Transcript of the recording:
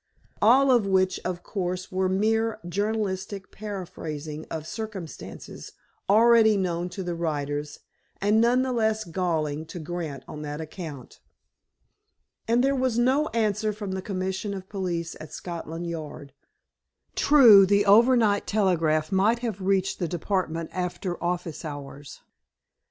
All of which, of course, was mere journalistic paraphrasing of circumstances already known to the writers, and none the less galling to Grant on that account. And there was no answer from the Commissioner of Police at Scotland Yard. True, the overnight telegram might have reached the Department after office hours.